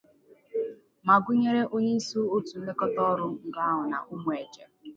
nke gụnyere onyeisi òtù nlekọta ọrụ ngo ahụ n'Ụmụeje